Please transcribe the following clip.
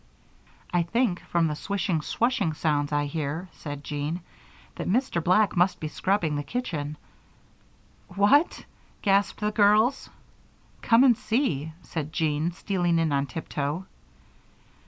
"I think, from the swishing, swushing sounds I hear," said Jean, "that Mr. Black must be scrubbing the kitchen." "What!" gasped the girls. "Come and see," said Jean, stealing in on tiptoe.